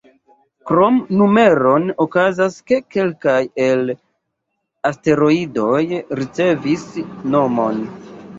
Krom numeron, okazas, ke kelkaj el la asteroidoj ricevis nomon.